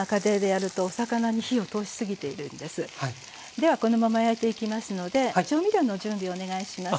ではこのまま焼いていきますので調味料の準備をお願いします。